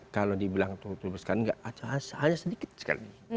kalau dibilang tuli berat sekarang hanya sedikit sekali